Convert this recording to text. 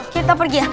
kita pergi ya